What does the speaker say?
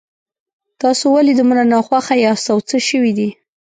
تاسو ولې دومره ناخوښه یاست او څه شوي دي